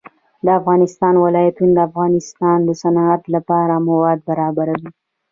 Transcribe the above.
د افغانستان ولايتونه د افغانستان د صنعت لپاره مواد برابروي.